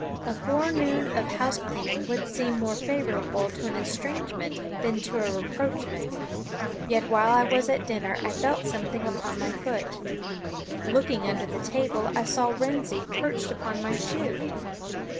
A forenoon of house cleaning would seem more favorable to an estrangement than to a rapprochement; yet while I was at dinner I felt something upon my foot. Looking under the table I saw Wrensie perched upon my shoe.